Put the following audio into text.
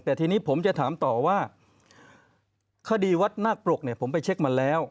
แต่ทีนี้ผมจะถามต่อว่าคดีวัดนาคปรกเนี่ยผมไปเช็คมาแล้ว